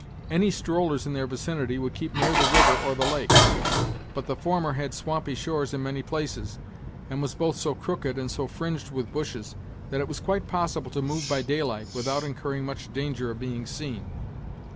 Any strollers in their vicinity would keep near the river or the lake; but the former had swampy shores in many places, and was both so crooked and so fringed with bushes, that it was quite possible to move by daylight without incurring much danger of being seen.